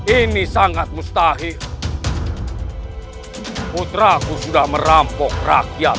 ini sangat mustahi putraku sudah merampok rakyat